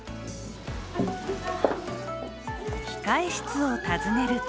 控え室を訪ねると